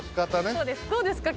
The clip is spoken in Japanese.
どうですか？